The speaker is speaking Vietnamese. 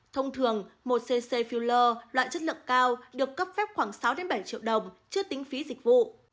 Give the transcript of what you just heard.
thông thường một cc filler loại chất lượng cao được cấp phép khoảng sáu bảy triệu đồng chưa tính phí dịch vụ